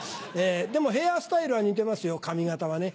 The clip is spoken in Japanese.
でもヘアスタイルは似てますよ髪形はね。